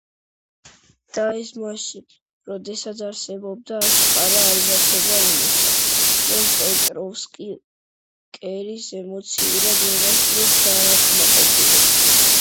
და ეს მაშინ, როდესაც არსებობდა აშკარა ალბათობა იმისა, რომ პეტროვსკი კერის ემოციურად ვერასოდეს დააკმაყოფილებდა.